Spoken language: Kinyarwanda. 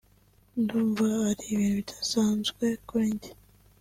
ndumva ari ibintu bidasanzwe kuri njye